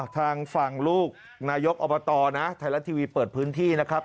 ทางฝั่งลูกนายกอบตนะไทยรัฐทีวีเปิดพื้นที่นะครับ